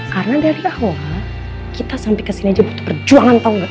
karena dari awal kita sampai kesini aja butuh perjuangan tau gak